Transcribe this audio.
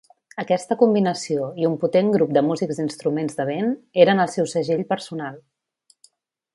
Aquesta combinació i un potent grup de músics d'instruments de vent eren el seu segell personal.